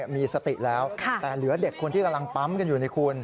มีสติแล้วแต่เหลือเด็กคนที่กำลังปั๊มกันอยู่นี่คุณ